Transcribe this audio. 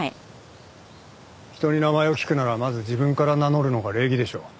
人に名前を聞くならまず自分から名乗るのが礼儀でしょ。